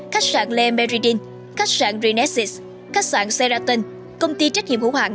khách sạn le meridin khách sạn rinesis khách sạn serratin công ty trách nhiệm hữu hạng